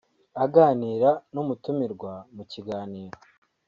aganira n’umutumirwa mu kiganiro